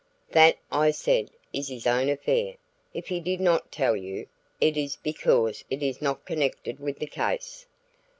"That," said I, "is his own affair; if he did not tell you, it is because it is not connected with the case."